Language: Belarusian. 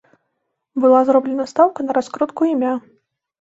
Была зроблена стаўка на раскрутку імя.